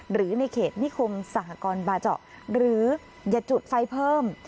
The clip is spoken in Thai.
หรือในเขตนิคมสหกรบาเจาะหรืออย่าจุดไฟเพิ่ม